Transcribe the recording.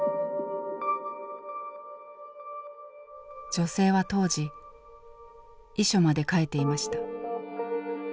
女性は当時遺書まで書いていました。